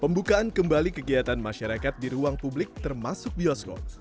pembukaan kembali kegiatan masyarakat di ruang publik termasuk bioskop